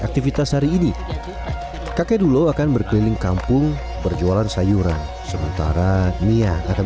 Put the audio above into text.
aktivitas hari ini kakek dulo akan berkeliling kampung berjualan sayuran sementara mia akan